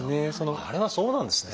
あれはそうなんですね。